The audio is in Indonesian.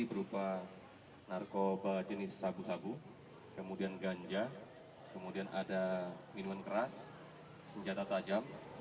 berupa narkoba jenis sabu sabu kemudian ganja kemudian ada minuman keras senjata tajam